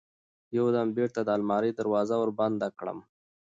يو دم بېرته د المارى دروازه وربنده کړم.